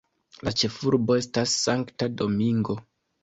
La ĉefurbo estas Sankta Domingo.